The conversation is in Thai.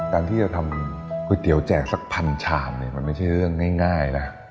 การที่เราทำคุยเตี๊ยวแจก๑๐๐๐ชามมันไม่ใช่เรื่องง่าย